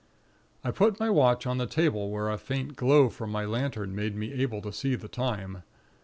"I put my watch on the table, where a faint glow from my lantern made me able to see the time.